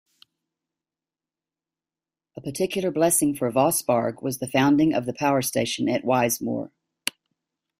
A particular blessing for Vossbarg was the founding of the power-station at Wiesmoor.